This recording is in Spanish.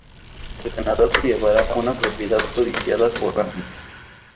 El ganador se llevará una propiedad codiciada por ambos.